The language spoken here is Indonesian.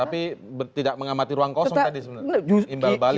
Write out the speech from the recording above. tapi tidak mengamati ruang kosong tadi sebenarnya